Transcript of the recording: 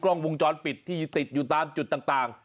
ตรงวงจ้อนปิดที่ติดอยู่ตามจุดต่าง